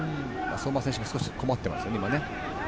相馬選手も少し困っています。